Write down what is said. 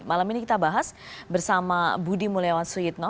malam ini kita bahas bersama budi mulyawan suyitno